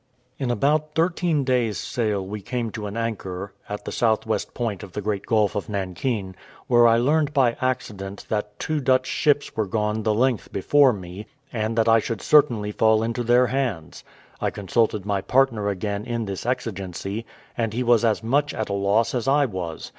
In about thirteen days' sail we came to an anchor, at the south west point of the great Gulf of Nankin; where I learned by accident that two Dutch ships were gone the length before me, and that I should certainly fall into their hands. I consulted my partner again in this exigency, and he was as much at a loss as I was.